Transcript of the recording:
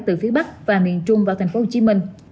từ phía bắc và miền trung vào tp hcm